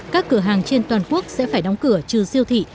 các cửa hàng trên toàn quốc sẽ phải đóng cửa trừ siêu thị